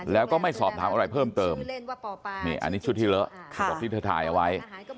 แล้วก็ไม่สอบถามอะไรเพิ่มเติมนี่อันนี้ชุดที่เลอะบอกที่เธอถ่ายเอาไว้